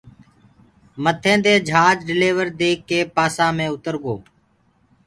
مٿينٚدي جھاج ڊليورو ديک ڪي پاسا مي اُترگو